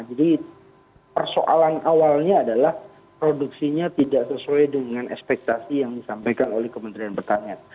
jadi persoalan awalnya adalah produksinya tidak sesuai dengan ekspektasi yang disampaikan oleh kementerian pertanian